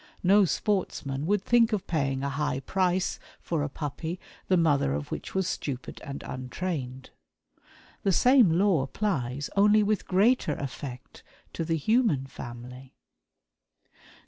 No sportsman would think of paying a high price for a puppy, the mother of which was stupid and untrained. The same law applies, only with greater effect, to the human family."